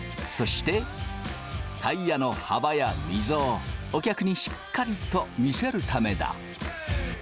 そしてタイヤの幅やミゾをお客にしっかりと見せるためだ。